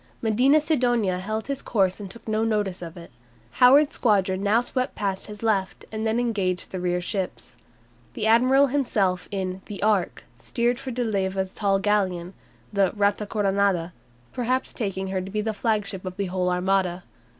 Medina Sidonia held his course and took no notice of it. Howard's squadron now swept past his left, and then engaged his rear ships. The admiral himself in "The Ark" steered for De Leyva's tall galleon, the "Rata Coronada," perhaps taking her to be the flagship of the whole Armada.